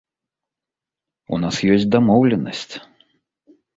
У нас ёсць дамоўленасць.